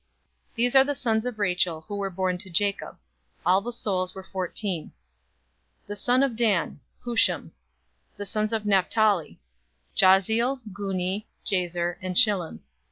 046:022 These are the sons of Rachel, who were born to Jacob: all the souls were fourteen. 046:023 The son of Dan: Hushim. 046:024 The sons of Naphtali: Jahzeel, Guni, Jezer, and Shillem.